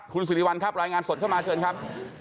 คุณสิริวัลครับรายงานสดเข้ามาเชิญครับ